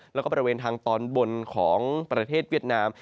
แล้วก็บริเวณทางตอนบนของประเทศเวียดนาม